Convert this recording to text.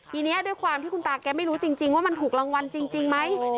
ทีนี้ด้วยความที่คุณตาแกไม่รู้จริงว่ามันถูกรางวัลจริงไหม